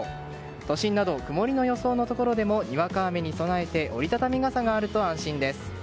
都心など曇りの予想のところでもにわか雨に備えて折り畳み傘があると安心です。